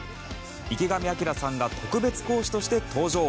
池上彰さんが特別講師として登場。